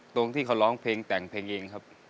ตรงที่เขาร้องเพลงแต่งเพลงเองครับ